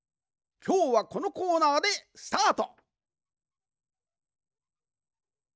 きょうはこのコーナーでスタート。